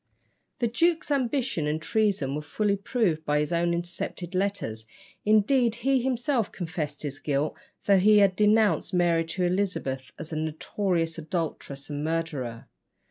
The duke's ambition and treason were fully proved by his own intercepted letters; indeed, he himself confessed his guilt, though he had denounced Mary to Elizabeth as a "notorious adulteress and murderer."